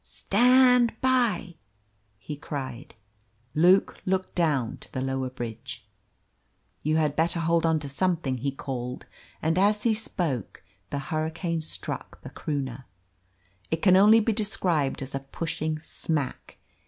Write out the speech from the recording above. "Stand BY!" he cried. Luke looked down to the lower bridge. "You had better hold on to something," he called, and as he spoke the hurricane struck the Croonah. It can only be described as a pushing smack.